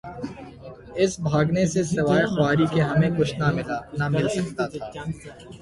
اس بھاگنے سے سوائے خواری کے ہمیں کچھ نہ ملا... نہ مل سکتاتھا۔